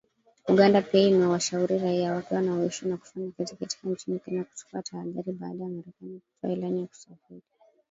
Uganda pia imewashauri raia wake wanaoishi na kufanya kazi nchini Kenya kuchukua tahadhari, baada ya Marekani kutoa ilani ya kusafiri.